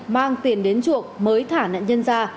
mang tiền đến chuộc mới thả nạn nhân ra